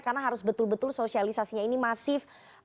karena harus betul betul sosialisasinya ini masif